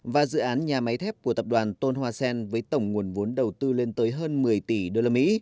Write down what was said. và dự án nhà máy thép của tập đoàn tôn hoa sen với tổng nguồn vốn đầu tư lên tới hơn một mươi tỷ usd